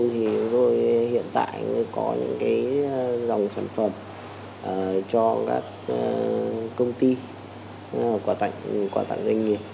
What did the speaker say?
thì hiện tại mới có những dòng sản phẩm cho các công ty quả tặng doanh nghiệp